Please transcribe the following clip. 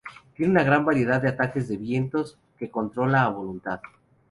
Tiene una gran variedad de ataques de vientos que controla a voluntad.